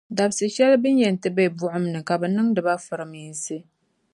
Dabsi’ shεli bɛ ni yɛn ti be buɣumni, kabɛ niŋdi ba furminsi.